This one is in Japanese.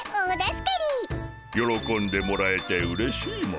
よろこんでもらえてうれしいモ。